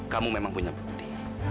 kamu memang punya bukti